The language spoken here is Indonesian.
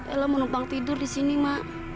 ella mau numpang tidur di sini mak